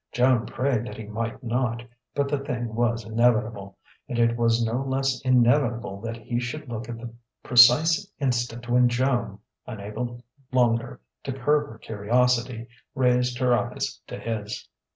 Joan prayed that he might not; but the thing was inevitable, and it was no less inevitable that he should look at the precise instant when Joan, unable longer to curb her curiosity, raised her eyes to his.